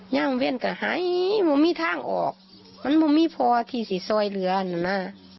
ยังเบิดก็หายอยู่นี่มันไม่มีทางออกมันไม่มีพอที่สร้อยเหรอลูกนะ